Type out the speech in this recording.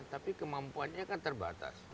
tapi kemampuannya kan terbatas